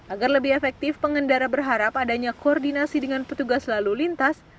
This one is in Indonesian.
agar lebih efektif pengendara berharap adanya koordinasi dengan petugas lalu lintas